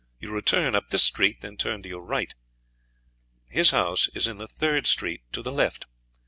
You return up this street, then turn to your right; his house is in the third street to the left.